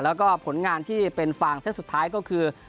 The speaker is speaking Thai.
แล้วก็ผลงานที่เป็นฟางเส้นสุดท้ายก็คือ